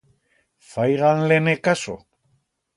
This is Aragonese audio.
Faigan-le-ne caso.